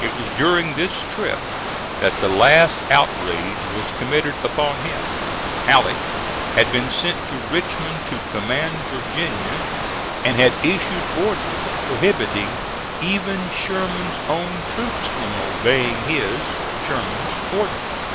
It was during this trip that the last outrage was committed upon him. Halleck had been sent to Richmond to command Virginia, and had issued orders prohibiting even Sherman's own troops from obeying his, Sherman's, orders.